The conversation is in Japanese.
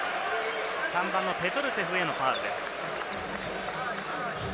３番のペトルセフへのファウルです。